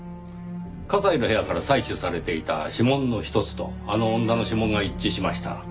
加西の部屋から採取されていた指紋の一つとあの女の指紋が一致しました。